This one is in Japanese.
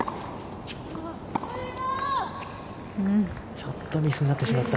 ちょっとミスになってしまった。